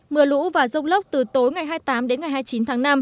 mưa lũ và rông lốc từ tối ngày hai mươi tám đến ngày hai mươi chín tháng năm